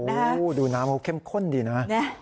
โอ้โหดูน้ำเขาเข้มข้นดีนะ